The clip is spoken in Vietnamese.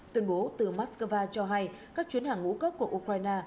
tuyên bố từ moscow cho hay các chuyến hàng ngũ cốc của ukraine